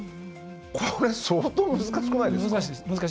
これ相当、難しくないですか？